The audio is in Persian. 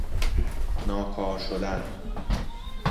ناکار شدن